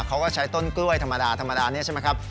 เขาก็ใช้ต้นกล้วยธรรมดาเนี่ยใช่มั้ยครับ